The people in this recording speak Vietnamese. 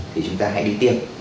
thì chúng ta hãy đi tiêm